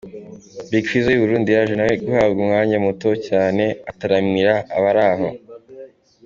Big Fizzo w’i Burundi yaje nawe guhabwa umwanya muto cyane ataramira abari aho.